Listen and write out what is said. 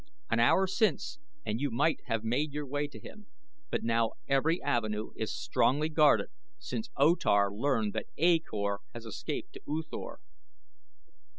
An hour since and you might have made your way to him; but now every avenue is strongly guarded since O Tar learned that A Kor had escaped to U Thor."